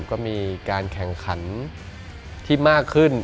ก็มีการแข่งขันที่มากขึ้น